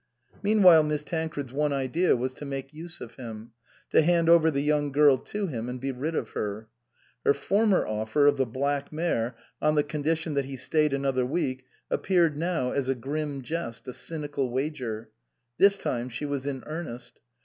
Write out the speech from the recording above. Meanwhile Miss Tancred's one idea was to make use of him, to hand over the young girl to him and be rid of her. Her former offer of the black mare on the condition that he stayed another week appeared now as a grim jest, a cynical wager. This time she was in earnest.